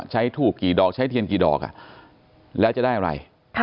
ถูกกี่ดอกใช้เทียนกี่ดอกแล้วจะได้อะไร